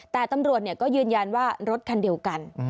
แต่ตำรวจก็ยืนยันว่ารถคันเดียวกัน